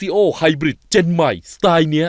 น้องมึงอยู่ห้องไหนเนี่ย